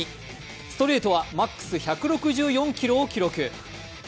ストレートはＭＡＸ１６４キロを記録。